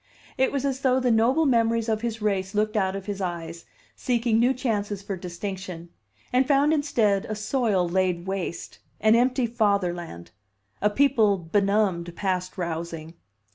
It was as though the noble memories of his race looked out of his eyes, seeking new chances for distinction, and found instead a soil laid waste, an empty fatherland, a people benumbed past rousing.